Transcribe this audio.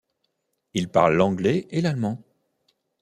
Il parle l’anglais et l’allemand.